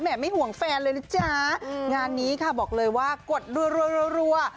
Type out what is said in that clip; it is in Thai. ไม่ห่วงแฟนเลยนะจ๊ะงานนี้ค่ะบอกเลยว่ากดรัว